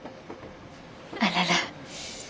あらら。